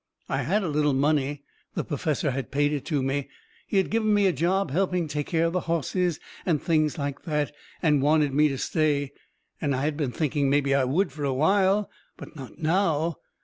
I had a little money. The perfessor had paid it to me. He had give me a job helping take care of his hosses and things like that, and wanted me to stay, and I had been thinking mebby I would fur a while. But not now!